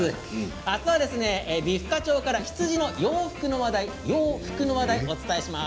明日は美深町から羊の洋服の話題をお伝えします。